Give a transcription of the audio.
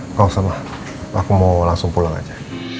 nggak usah lah aku mau langsung pulang aja